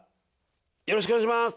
よろしくお願いします